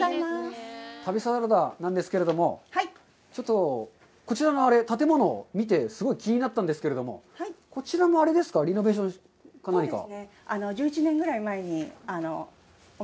旅サラダなんですけれども、ちょっと、こちらの建物を見て、すごい気になったんですけれども、こちらもあれですか、リノベーションか何か？